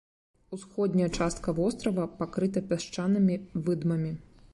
Усходняя частка вострава пакрыта пясчанымі выдмамі.